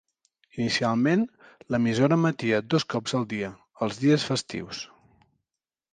Inicialment, l'emissora emetia dos cops al dia, els dies festius.